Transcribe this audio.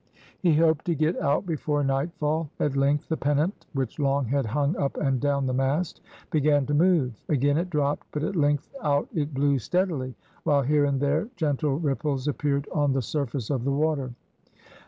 He hoped to get out before nightfall. At length the pennant which long had hung up and down the mast, began to move. Again it dropped, but at length out it blew steadily, while here and there gentle ripples appeared on the surface of the water.